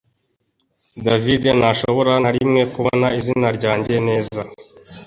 David ntashobora na rimwe kubona izina ryanjye neza